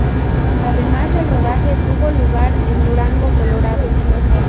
Además el rodaje tuvo lugar en Durango, Colorado.